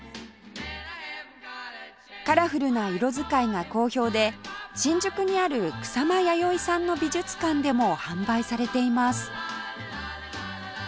カラフルな色使いが好評で新宿にある草間彌生さんの美術館でも販売されています